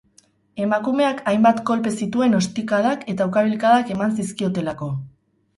Emakumeak hainbat kolpe zituen ostikadak eta ukabilkadak eman zizkiotelako.